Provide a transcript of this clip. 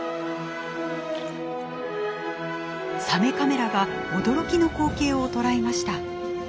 サメカメラが驚きの光景を捉えました。